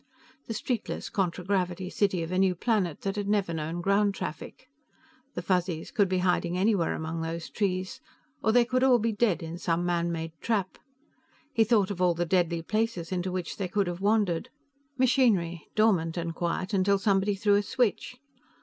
The streetless contragravity city of a new planet that had never known ground traffic. The Fuzzies could be hiding anywhere among those trees or they could all be dead in some man made trap. He thought of all the deadly places into which they could have wandered. Machinery, dormant and quiet, until somebody threw a switch.